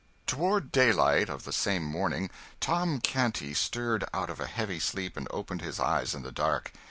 Toward daylight of the same morning, Tom Canty stirred out of a heavy sleep and opened his eyes in the dark.